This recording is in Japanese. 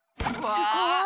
すごい。